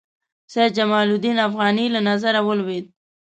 سید جمال الدین افغاني له نظره ولوېد.